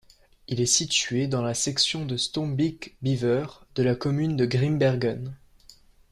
Il est situé dans la section de Stombeek-Bever de la commune de Grimbergen.